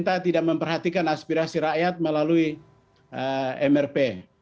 dan juga tidak memperhatikan aspirasi rakyat melalui mrp